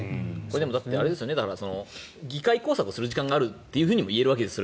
でも、議会工作をする時間があるとも言えるわけですよね